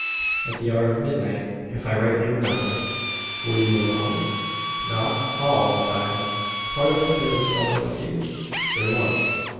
"At the hour of midnight if I rightly remember." "Were you alone?" "Not all the time." "Part of it there was some one with you?" "There was."